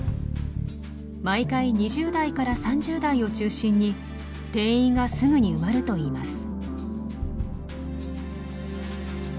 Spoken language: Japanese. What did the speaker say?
毎回２０代から３０代を中心に定員がすぐに埋まるといいます。